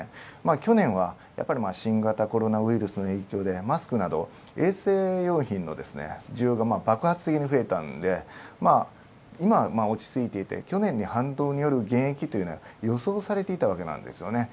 去年は、やはり新型コロナウイルスの影響でマスクなど衛生用品の需要が爆発的に増えて今は落ち着いていて去年の反動による減益は予想されていたんですね。